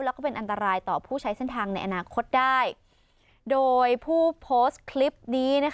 แล้วก็เป็นอันตรายต่อผู้ใช้เส้นทางในอนาคตได้โดยผู้โพสต์คลิปนี้นะคะ